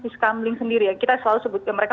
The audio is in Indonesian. scambling sendiri kita selalu sebut mereka